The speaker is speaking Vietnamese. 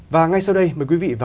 và ngay sau đây mời quý vị và các